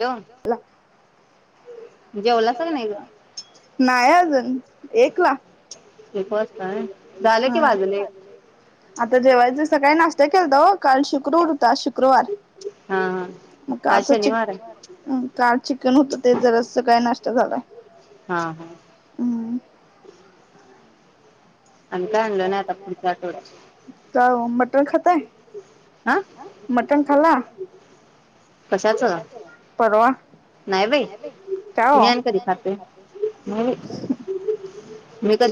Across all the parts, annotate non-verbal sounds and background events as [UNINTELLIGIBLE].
येवा नाही अजून एकला. ते पाच काय? ह आता जेवायच सकाळी नाश ते केलता होय काल. शुक्रवार होता आज शु क्रवार हा हा. मग आज कालच चिक शनिवार आहे ह कालच चिकन होत ते जरा सकाळी नाश अता झालाय. हा हा हम्म. आम्ही काय आणलं नाही आता पुढच्या आठवड्यात का ओ मटन खाताय हा मटन खाल्ला कशाचं परवा नाही बाई का ओ मी आणि कधी नाही बाई खातोय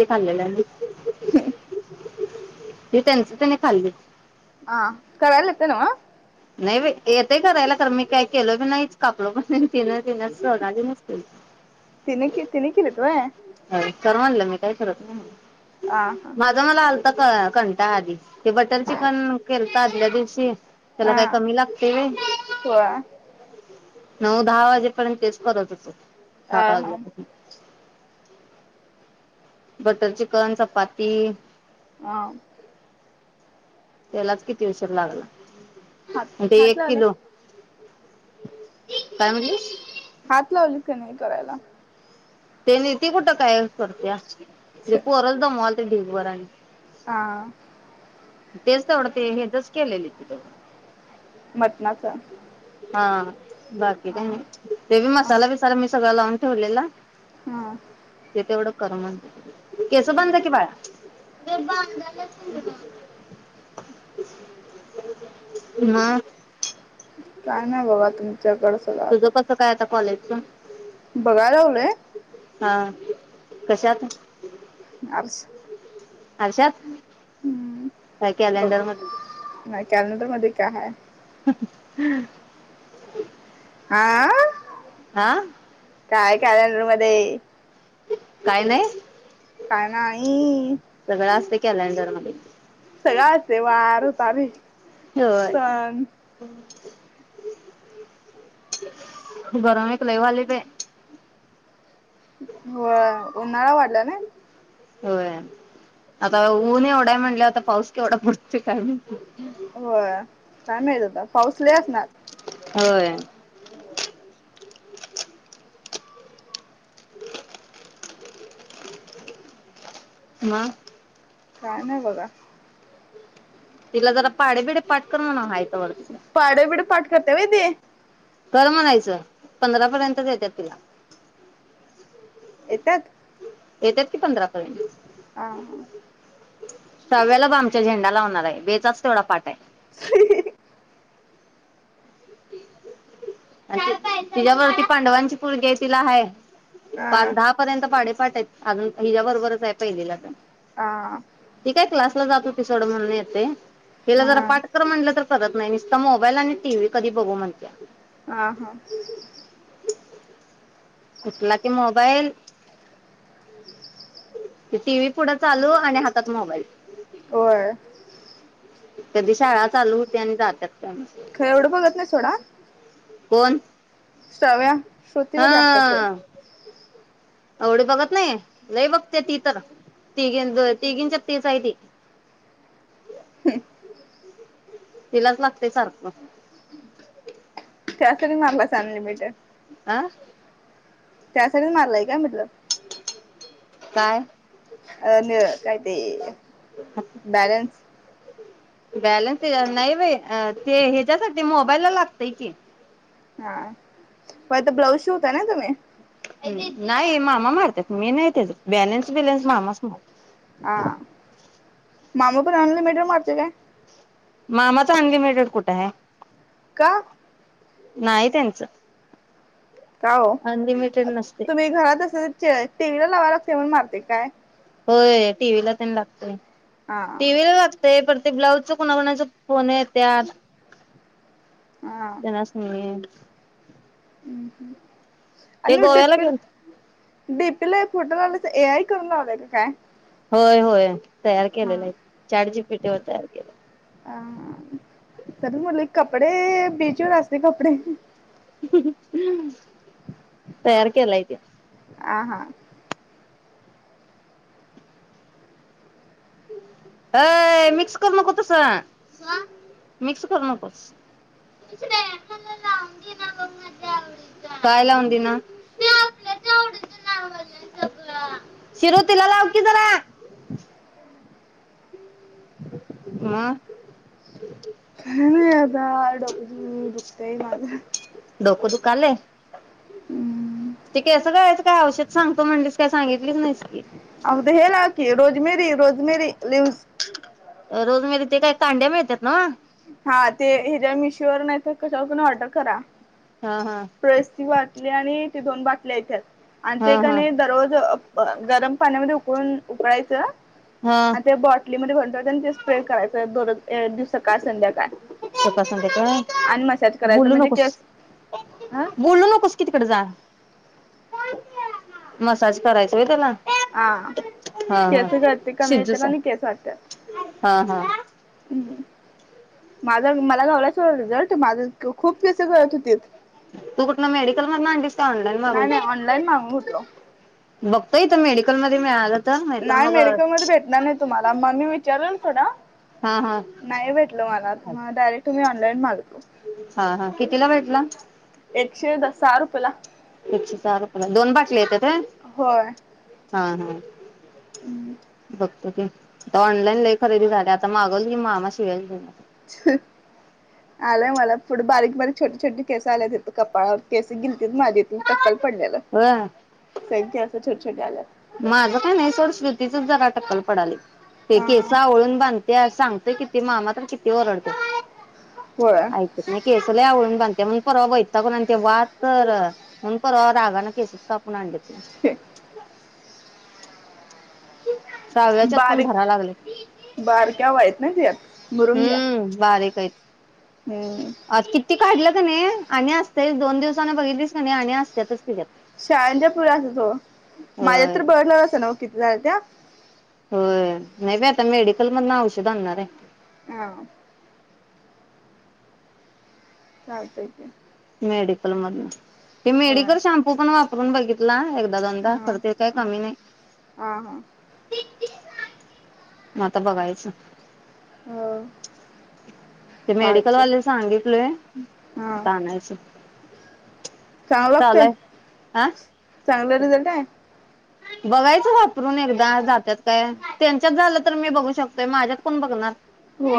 मी कधी खाल्ल नाही. [INAUDIBLE] ती त्यांच त्यांनी खाल्लीत. ह कराय एतय येतंय नव्ह. नाही बाई येतय करायला खर. मी काही केलो पण नाहीच. कापलो पण नाहीच. तिनं तिनं सोनालीनच केली. तिने के तिने केलीत व्हय अ कर म्हणलं मी. काय करत नाही म आ हा माझं मला आल अता क-कंटाळा आधीच ते बटर चिकन केलत आदल्या दिवशी. त्याला काय आ कमी लागतय व्हय? होय आ नऊ दहा वाजेपर्यंत तेच करत होेतो. सात हा वाजल्यापासन बटर चिकन चपाती आ त्यालाच किती उशीर लागला. हात ते हात एक लावले किलो काय म्हटंलीस हात लावली का नाही करायला तेनी ती कुठं काय करतीया हे पोरच दमवाल तेवढी बरं आणि हा तेच तेवढं ते हेचच केलेली ती तेवढं मटणाचा हा बाकी काही नाय ते बी आ मसाला बिसाला मी सगळा लावून ठेवलेला हा ते तेवढं कर म्हणतंय केस बांधा की बाळा [INAUDIBLE] म काय नाय बोला तुम्ही तुझं कसं काय आता कॉलेज [INAUDIBLE] बघाय लागलोय हा कशात [INAUDIBLE] आरशात हम्म काय बघ कॅलेंडर मधलं नाय कॅलेंडर मध्ये काय हाय [INAUDIBLE] आ हा काय कॅलेंडर मध्ये काय नाही. काय नाही. कॅलेंडरमध्ये सगळं असतंय वार तारीख होय सण गरम एक लई व्हायलय बय होय उन्हाळा वाढला न होय आता ऊन एवढाय म्हणल्यावर आता पाऊस केवढा पडतोय काय माहिती होय काय माहित आता पाऊस लय असणार होय. म काय नाय बघा तिला जरा पाडेबिडे पाठ कर म्हणाव हाय तवर तिचं पाढे भिडे पाठ करतिया व्हय ती कर म्हणायचं पंधरा पर्यंतच येत्यात तिला येत्यात येत्यात की पंधरा पर्यंत हा हा काव्याला ब आमच्या झेंडा लावणार आहे बेचाच तेवढा पाठ आहे. [INAUDIBLE] तिच्याबर ती पांडवांची पोरगी ये तिला हाय हा पाच दहा पर्यंत पाडे पाट येत आजून हिच्याबरोबच आहेत. पहिलीलाच हा ही काय क्लास ला जात होतीस जोड म्हणून येतंय हिला जरा हा पाट कर म्हटलं तर करत नाही निसता मोबाईल आणि टीव्ही कधी बघू म्हणत्या हां हां उठला की मोबाईल टी व्ही पुढं चालू आणि हातात मोबाईल होय. कधी शाळा चालू होते आणि जात्यात काय खर एवढं बघत नाही सोडा कोण सव्या श्रुतीवर जास्तचये एवढ बघत नाही लई बघते ती तर तिघींच तिघीच तेच आहे ती तिलाच लागतेय सारखं त्यासाठी मारलास अनलिमिटेड [INAUDIBLE] त्यासाठीच मारलाय काय म्हटलं काय? अ न काय ते बॅलन्स बॅलन्स नाही बाइ ते हेच्यासाठी मोबाईलला लागतय की हा पण आता ब्लाऊज शिवताय ना तुम्ही नाही मामा मारत्यात मी नाही त्याच बॅलेन्स बिलेन्स मामाच मारत आ मामा पण अनलिमिटेड मारत्योय काय? मामा च अनलिमिटेड कुठं हाय का? नाही त्यांचं. का ओ? अनलिमिटेड नसते तुम्ही घरात असं तर टीव्हीला लावा लागते म्हणून मारते. काय? होय टी व्हीला तेन लागतोय. हा टीव्ही ला लागतंय परत ते ब्लाऊजच कोणाकोणाचं फोन येत्यात. हा त्यांनाच नाही. हम्म, हम्म‌ ते गोव्याला गेलतो. डीपीला फोटो लावल्यात ते एआय करून लावलंय का काय? होय, होय. तयार केलेलं हा आहे. चॅट जीटीपीवर तयार केलंय. हा, हा. तरी म्हटलं कपडे बीचवर असले कपडे तयार केलाय ते. आ हा. अय मिक्स करू नको तस. का? मिक्स करू नकोस. मला लावून दिना बघ माझ्या आवडीच. काय लावुन दिना? आपल्याचं आवडीच लावल्या सगळं. शिरु तीला लाव की जरा. मग? काय नाही आता डोकं दुखतयं माझं. डोकं दुखालय हम्म ते केसं कळायचं काय औषध? सांगतो म्हणलीस काय सांगितलीसच नाहीस. की. अगं ते हे लाव की rosemary rosemary leaves rosemary ते काय? कांड्या मिळत्यात नव्हं? हा ते हेज्यावर मीशोवर नाही तर कशावर पण ऑर्डर करा. हा हा [UNINTELLIGIBLE] [UNINTELLIGIBLE] आणि ते दोन बाटल्या येत्यात. आणि ते हा हा. कनई दररोज अ गरम पाण्यामध्ये उकळून उकळायचं हा आणि त्या बॉटलीमध्ये भ त्यात आणि ते स्प्रे करायच दररोज दिवसांत पका संगट होय आणि मसाज करायचं बोलू म्हणजे नकोस केस ह बोलू नकोस, की तिकड जा. मसाज करायच होय त्याला? हा हा हा. केस गळती कमी येत्यात शिजूचा आणि केस वाढत्यात. हा हा हम्म, हम्म. माझ मला घावला सोड रिझल्ट. माझं खूप केस गळत होतीत. तू कुठन मेडिकल मधन आणलीस का ऑनलाईन नाही, मागवून? नाही ऑनलाईन मागवुन घेतलो. बघतो इथं मेडिकलमध्ये मिळालं तर नाहीतर नाय मग मेडिकलमध्ये भेटणार नाय तुम्हाला मग मी विचारल सोडा. हा हा. नाही भेटल मला ह डायरेक्ट तुम्ही ऑनलाईन माग हा हा कितीला [UNINTELLIGIBLE] [INAUDIBLE] एकशे दस सहा रुपयेला. एकशे सहा रुपये ला दोन बाटल्या येत्यात होय? हा हा. हम् [INAUDIBLE] आता ऑनलाईन लय खरेदी झाल्या आता मागवलं की मामा शिव्याच देणार. [INAUDIBLE] आलंय मला फूड बारीक बारीक छोटे छोटे केसं आल्यात इथं कपाळावर केस गेलतीत माझी ट कलं पडललेल. होय सगळी [UNINTELLIGIBLE] छड्याला माझं काय नाही सोड, श्रूतीचच जरा टक्कल पडालय. ते केसं हा आवळून बांधत्या सांग किती मामा तर किती ओरडते. होय. आयकत नाही केस लय आवळून बान ते म्हण परवा वैतागून आणते वा तर म्हण परवा रागान केसच कापून आणलेत. [INAUDIBLE] सहाव्याच्यात पण बारीक भराय लागलेत बारक्या उवायतं ना तियात. हम्म बारीकयत. [UNINTELLIGIBLE] [UNINTELLIGIBLE] किती काढलं कनी आणि असतयच दोन दिवसान बघितलीस कनी आणि असत्यातच. तिच्यात. शाळंच्या पूरी असच हो, माझ्यात होय तर [UNINTELLIGIBLE] सा नव किती हायत. त्या होय नाही बाई आता मेडिकल मधन औषध आणणाराय. हम् चालतय की. मेडीकल मधनं. ते होय मेडीकल शाम्पू पण वाप करून बगितला एकद [UNINTELLIGIBLE] हा खर ते काय हा कमी नई. हा म आता बघायचं. हो. ते चालतंय मेडिकलवालीला सांगितलय हा आता आनायच चालू आय आ चांगलं रिजल्ट आय? बघायचं वापरून एकदा जात्यात काय, त्यांच्यात झालं तर मी बघू शकतोय, माझ्यात कोण बघणार.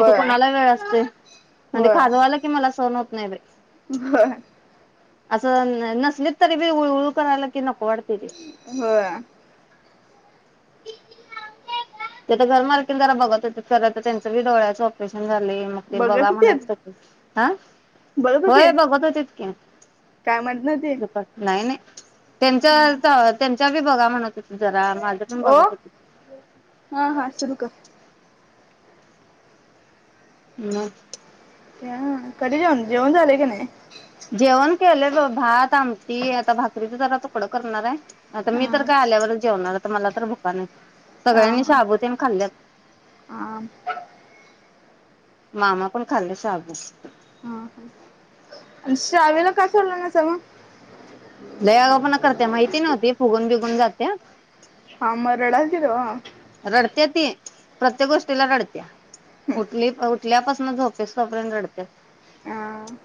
इथ कूणाला वेळ असतोय, आणि होय ते खाजवाल कि मला सण होत नाई बई [UNINTELLIGIBLE] असं नसलीत तरी बी उळ उळ करायला की नक होय. ते तर घर मालकीण जरा बघत होते खर तर त्यांचं बी डोळ्याच ऑपरेशन झाले मग ते बघा बघत होतीत म्हणायच हं बघत होय होते बघत होतेत की काय म्हणत नव्हते नाही नाही त्यांच्या [INAUDIBLE] त्यां च्या बी बघा म्हणत जरा माझ ओ हा हा सुरू कर. म. त्या कधी जाऊन जेऊन झाले काय नाय. जेवण केलंय ब भात आमटी आता भाकरीच जरा तुकड करणार आहे. आता मी तर काय हा आल्यावरच जेवणार मला तर भुका नाहीत. हा सगळ्यांनी हा शाबु तेन खाल्ल्यात. हा मामा पण खाल्ले शाबु. हा आणि श्रावीला का सोडला नाहिसा मग? लय आगावपणा करत्या माहिती नव्ह ती फुगून बिघून जात्या. हा म रडा की ओ. डते ती प्रत्येक गोष्टीला रडत्या उठली उठल्यापासून झोपेसतोपर्यंत रडत्याच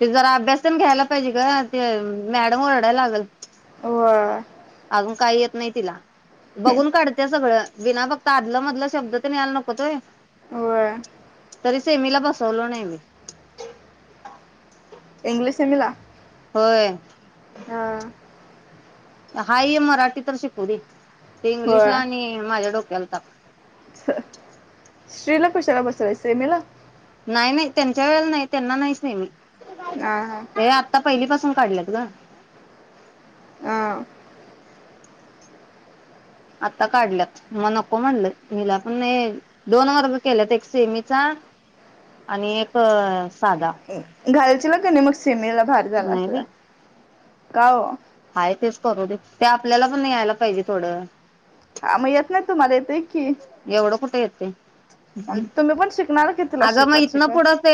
ते जरा अभ्यासतेन घ्यायला पाहिजे ग ते मॅडम ओरडायला लागल अजून काही येत नाही तिला बघून काढत्या सगळं बिना फक्त आदलं मधलं शब्द तर यायला नकोत होय तरी सेमीला बसवल नाही मी. इंग्लिश सेमीला. होय हाय हे मराठी तर शिकु दे. ते इंग्लिश ला आणि माझ्या डो क्याला ताप. श्री ला कशाला बसवलाय सेमीला? नाही नाही त्यांच्या वेळेला नाही त्यांना नाहीच सेमी ह हा. पहिली पासून काढल्यात ग. हा आता काढल्यात मग नको म्हणलं मीला पण दोन वर्ग केल्यात एक सेमीचा आणि एक साधा. घालशीला काय नाही मग सेमीला भारी झाला असला. का ओ? आहे तेच करू दे ते आपल्याला पण यायला पाहिजे थोडं. हा मग येत नाही तुम्हाला येतोय एवढं कुठ येतय तुम्ही पण शिकणार की तुला अग मग शिकवत इथन शिकवत पुढं ते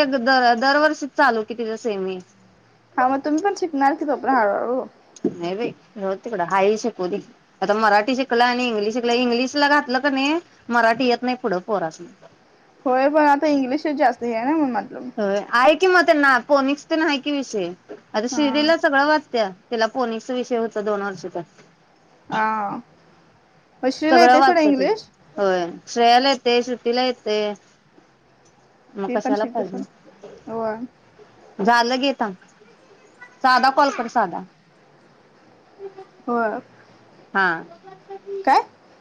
दरवर्ष चालू कि तिथं सेमी हा मग तुम्ही पण शिकणार कि तोपर्यंत हळूहळू जाऊदे तिकडं हाय हे शिकू दे आता मराठी शिकला आणि इंग्लिश शिकला इंग्लिशला घातलं नाही मराठी येत नाही पुढं पोरासनी होय पण आता इंग्लिश जास्ती आहे ना म्हणुन म्हणलो मी होय आहे कि म त्यांना पोनिक्स तेन हाय की विषय आता हा शिर्डीला सगळं वाचत्या तिला फोनिक्स विषय होता दोन वर्षाचा हा मग श्रीला सगळं येते सोडा वाचत ते इंग्लिश होय श्रेयल येत ते श्रुतीला येते मग ती पण कशाला शिकते पाहिजे सोडा होय झालं गे [UNINTELLIGIBLE] साधा कॉल कर साधा होय हा काय